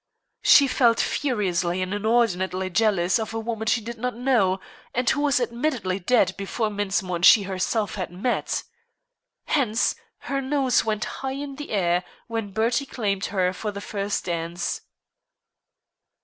She felt furiously and inordinately jealous of a woman she did not know, and who was admittedly dead before Mensmore and she herself had met. Hence her nose went high in the air when Bertie claimed her for the first dance.